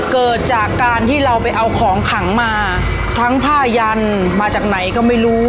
เกิดจากการที่เราไปเอาของขังมาทั้งผ้ายันมาจากไหนก็ไม่รู้